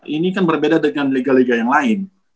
ini kan berbeda dengan liga liga yang lain